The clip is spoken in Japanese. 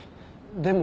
でも。